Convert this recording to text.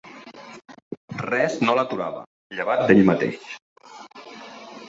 Res no l'aturava, llevat d'ell mateix.